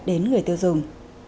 đến người tiêu dùng